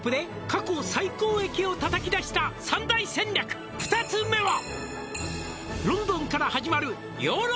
「過去最高益を叩き出した３大戦略」「２つ目は」